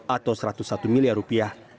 atau satu ratus satu miliar rupiah